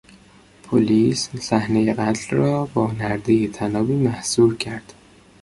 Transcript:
پلیس صحنهی قتل را با نردهی طنابی محصور کرد.